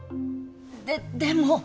ででも。